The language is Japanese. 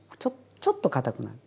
ちょっとかたくなる。